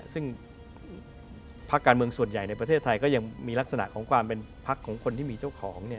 ซึ่งภาคการเมืองส่วนใหญ่ในประเทศไทยก็ยังมีลักษณะของความเป็นพักของคนที่มีเจ้าของ